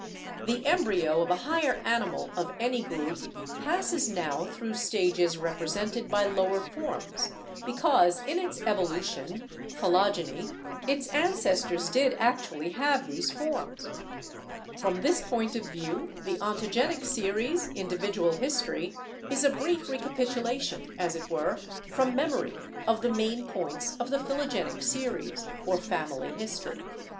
The embryo of a higher animal of any group passes now through stages represented by lower forms, because in its evolution (phylogeny) its ancestors did actually have these forms. From this point of view the ontogenic series (individual history) is a brief recapitulation, as it were, from mem ory, of the main points of the philogenic series, or family history.